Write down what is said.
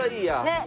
ねっ！